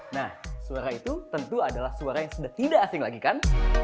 nah suara itu tentu adalah suara yang sudah tidak asing lagi kan